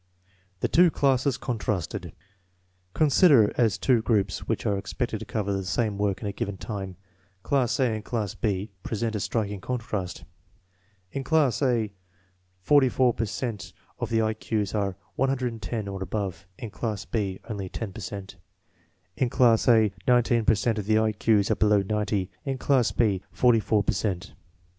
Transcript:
The two classes contrasted. Considered as two groups which are expected to cover the same work in a given time, class A and class B present a striking contrast. In class A, 44 per cent of the I Q's are 110 or above; in class B, only 10 per cent. In class A, 19 per cent of the I Q's are below 90; in class B, 44 per cent.